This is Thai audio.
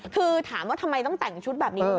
คือถามว่าทำไมต้องแต่งชุดแบบนี้